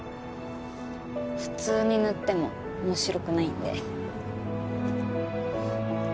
普通に塗っても面白くないんで。